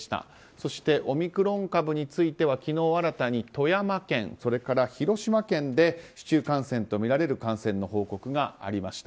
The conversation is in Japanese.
そして、オミクロン株については昨日新たに富山県、それから広島県で市中感染とみられる感染の報告がありました。